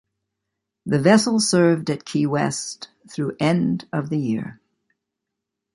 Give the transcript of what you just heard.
The vessel served at Key West through end of the year.